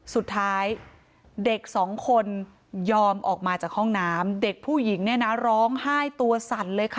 สุดท้ายเด็กสองคนยอมออกมาจากห้องน้ำเด็กผู้หญิงเนี่ยนะร้องไห้ตัวสั่นเลยค่ะ